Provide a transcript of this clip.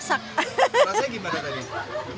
rasanya gimana tadi